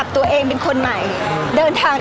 พี่ตอบได้แค่นี้จริงค่ะ